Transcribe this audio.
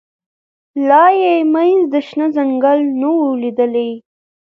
لا یې منځ د شنه ځنګله نه وو لیدلی